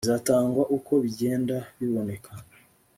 bizatangwa uko bigenda biboneka